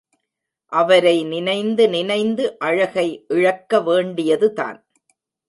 அவரை நினைந்து நினைந்து அழகை இழக்க வேண்டியதுதான்.